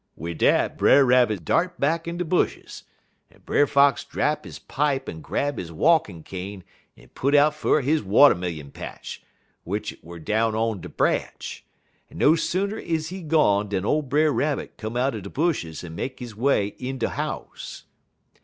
"Wid dat Brer Rabbit dart back in de bushes, en Brer Fox drap he pipe en grab he walkin' cane en put out fer he watermillion patch, w'ich 't wer' down on de branch; en no sooner is he gone dan ole Brer Rabbit come out de bushes en make he way in de house.